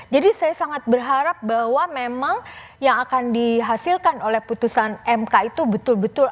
jadi saya sangat berharap bahwa memang yang akan dihasilkan oleh putusan mk itu betul betul